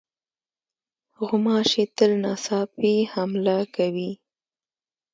غوماشې تل ناڅاپي حمله کوي.